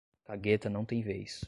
Cagueta não tem vez